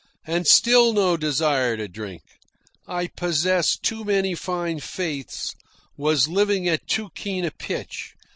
And still no desire to drink. I possessed too many fine faiths, was living at too keen a pitch.